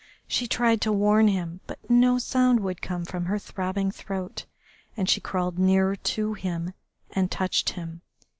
She tried to warn him, but no sound would come from her throbbing throat, and she crawled nearer to him and touched him.